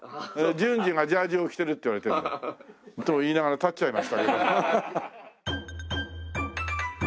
純次がジャージーを着てるって言われてるんだよ。と言いながら立っちゃいましたけど。